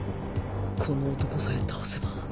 この男さえ倒せば